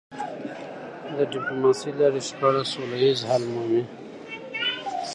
د ډيپلوماسی له لارې شخړې سوله ییز حل مومي.